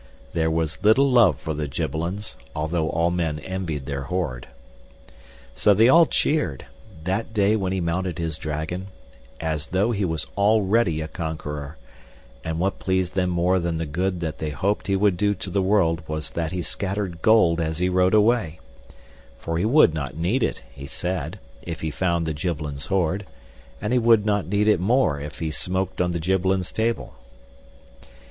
There was little love for the Gibbelins, though all men envied their hoard. So they all cheered, that day when he mounted his dragon, as though he was already a conqueror, and what pleased them more than the good that they hoped he would do to the world was that he scattered gold as he rode away; for he would not need it, he said, if he found the Gibbelins' hoard, and he would not need it more if he smoked on the Gibbelins' table.